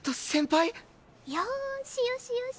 よーしよしよし。